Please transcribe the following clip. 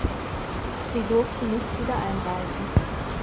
Sie durften nicht wieder einreisen.